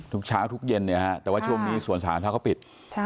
ทุกเช้าทุกเย็นเนี่ยครับแต่ว่าช่วงนี้ส่วนสถานที่เขาปิด